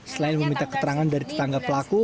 selain meminta keterangan dari tetangga pelaku